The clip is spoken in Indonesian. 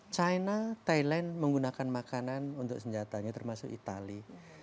china thailand menggunakan makanan untuk senjatanya termasuk itali